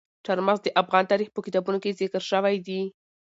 چار مغز د افغان تاریخ په کتابونو کې ذکر شوی دي.